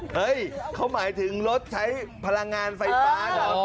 เฮ้ยเขาหมายถึงรถใช้พลังงานไฟฟ้าเหรอ